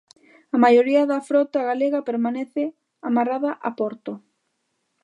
A maioría da frota galega permanece amarrada a porto.